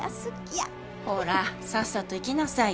ほらさっさと行きなさいよ。